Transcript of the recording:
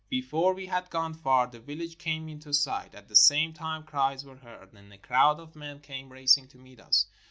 Before we had gone far, the village came into sight. At the same time cries were heard, and a crowd of men came racing to meet us.